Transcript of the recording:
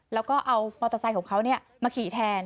แล้วก็เอามอเตอร์ไซค์ของเขามาขี่แทน